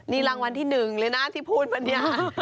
นี่รางวัลที่หนึ่งเลยนะที่พูดแบบนี้